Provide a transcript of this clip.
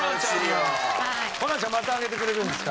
ホランちゃんまた揚げてくれるんですか。